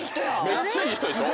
めっちゃいい人でしょ。